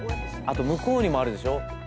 あと向こうにもあるでしょ